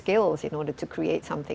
dan dengan kemahiran